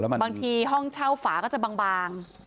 บางทีห้องเช่าฝาก็จะบาง